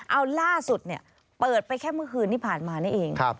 เอาล่าสุดเปิดไปแค่เมื่อคืนที่ผ่านมานี่เอง